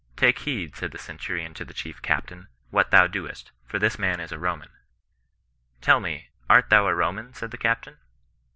i' Take heed," said the centurion to the chief captain^ " what thou doest: for this man is a Roman." "Tell me, art thou a Roman 1" said the captain.